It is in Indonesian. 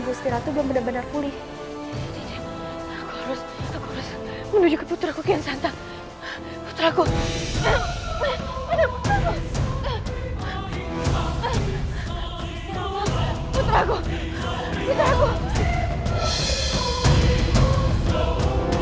matianmu akan kucutkan suram seser